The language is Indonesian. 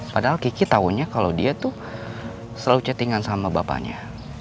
padahal kiki tahunya kalau dia tuh selalu chattingan sama bapaknya